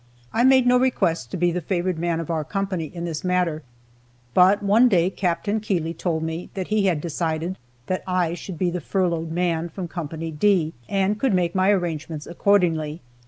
I made no request to be the favored man of our company in this matter, but one day Capt. Keeley told me that he had decided that I should be the furloughed man from Co. D, and could make my arrangements accordingly.